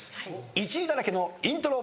１位だらけのイントロ。